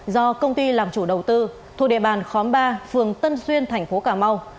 do công ty làm chủ đầu tư thuộc địa bàn khóm ba phường tân duyên thành phố cà mau